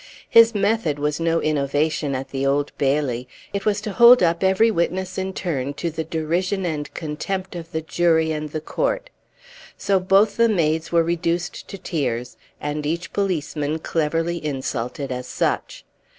His method was no innovation at the Old Bailey; it was to hold up every witness in turn to the derision and contempt of the jury and the court. So both the maids were reduced to tears, and each policeman cleverly insulted as such.